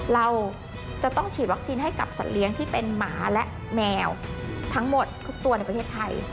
เราจะต้องฉีดวัคซีนให้กับสัตว์เลี้ยงที่เป็นหมาและแมวทั้งหมดทุกตัวในประเทศไทย